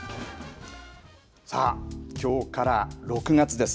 さあ、きょうから６月です。